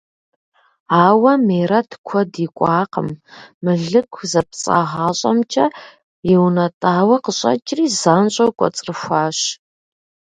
Ауэ Мерэт куэд икӀуакъым: мылыку зэпцӀагъащӀэмкӀэ иунэтӀауэ къыщӀэкӀри занщӀэу кӀуэцӀрыхуащ.